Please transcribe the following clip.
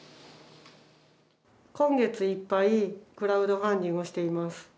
今月いっぱいクラウドファンディングをしています。